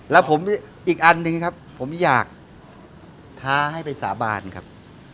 แล้วผมอีกอันหนึ่งครับผมอยากท้าให้ไปสาบานครับ